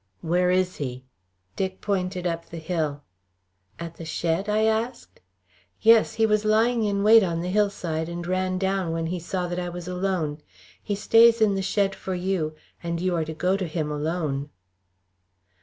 "Where is he?" Dick pointed up the hill. "At the shed?" I asked. "Yes. He was lying in wait on the hillside, and ran down when he saw that I was alone. He stays in the shed for you, and you are to go to him alone."